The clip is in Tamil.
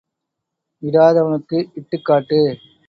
இடாதவனுக்கு இட்டுக் காட்டு.